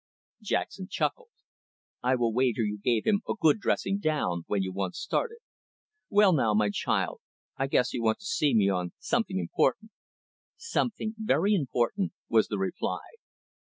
Jackson chuckled. "I will wager you gave him a good dressing down, when you once started. Well now, my child, I guess you want to see me on something important." "Something very important," was the reply.